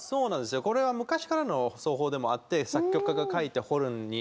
これは昔からの奏法でもあって作曲家が書いてホルンに。